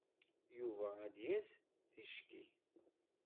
Yuba ad d-yas ticki.